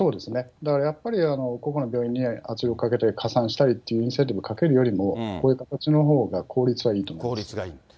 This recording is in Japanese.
だからやっぱり、個々の病院に圧力かけて加算したりっていう制度をかけるよりも、こういう形のほうが、効率はいいと思います。